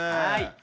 はい。